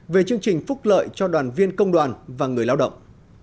về chương trình phúc lợi cho đoàn viên công đoàn và người lao động